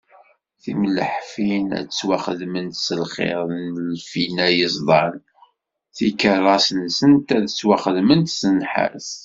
Timleḥfin ad ttwaxedment s lxiḍ n lfina yeẓdan, tikerras-nsent ad ttwaxedment s nnḥas.